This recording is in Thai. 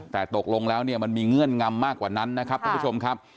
แต่ตกลงแล้วเนี่ยมันมีเงื่อนงำมากกว่านั้นนะครับท่านผู้ชมครับ